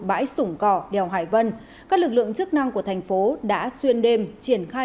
bãi sủng cỏ đèo hải vân các lực lượng chức năng của thành phố đã xuyên đêm triển khai